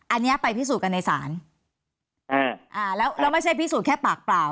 อันนี้ไปพิสูจน์กันในศาลอ่าอ่าแล้วแล้วไม่ใช่พิสูจน์แค่ปากเปล่า